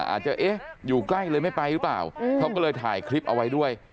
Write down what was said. อาจจะเอ๊ะอยู่ใกล้เลยไม่ไปหรือเปล่าเขาก็เลยถ่ายคลิปเอาไว้ด้วย